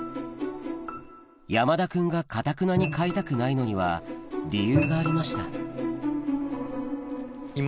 山田君がかたくなに飼いたくないのには理由がありました妹